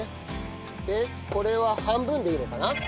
でこれは半分でいいのかな？